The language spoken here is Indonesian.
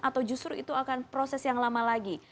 atau justru itu akan proses yang lama lagi